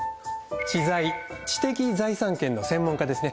知財知的財産権の専門家ですね。